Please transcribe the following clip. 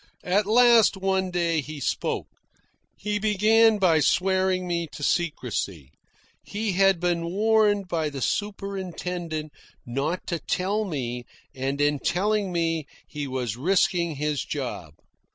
At last, one day, he spoke. He began by swearing me to secrecy. He had been warned by the superintendent not to tell me, and in telling me he was risking his job.